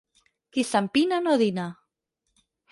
Qui s'empina no dina.